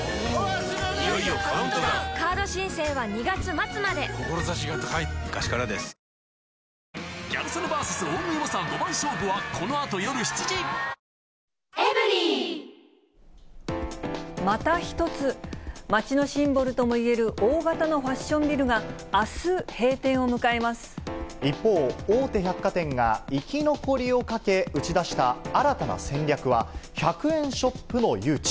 何度でも「ヱビスクリエイティブブリュー第１弾ニューオリジン」また一つ、街のシンボルともいえる大型のファッションビルがあす閉店を迎え一方、大手百貨店が生き残りをかけ打ち出した新たな戦略は、１００円ショップの誘致。